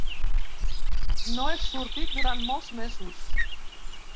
No he sortit durant molts mesos.